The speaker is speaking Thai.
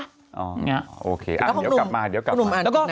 อ๋อโอเคเดี๋ยวกลับมาเดี๋ยวกลับมาเดี๋ยวกลับมาเดี๋ยวกลับมาเดี๋ยวกลับมา